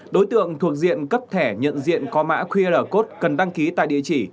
đối tượng thuộc diện cấp thẻ nhận diện có mã qr code cần đăng ký tại địa chỉ